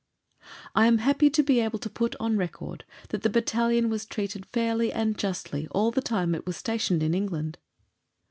I am happy to be able to put on record that the Battalion was treated fairly and justly all the time it was stationed in England.